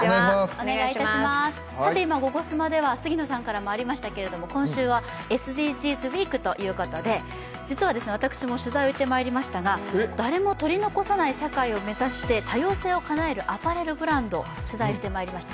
今、「ゴゴスマ」では今週はＳＤＧｓウィークということで実は私も取材に行ってまいりましたが、誰も取り残さない社会を目指して多様性をかなえるアパレルブランドを取材してきました。